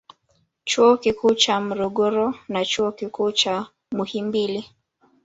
Chuo Kikuu cha Morogoro na Chuo Kikuu cha Muhimbili